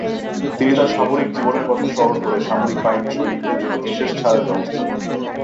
তিনি তার সামরিক জীবনের কথা স্মরণ করে সামরিক বাহিনীর সৈনিকদের জন্য বিশেষ ছাড়ের ব্যবস্থা করেন।